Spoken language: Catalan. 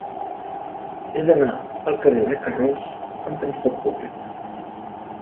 He d'anar al carrer de Carroç amb trasport públic.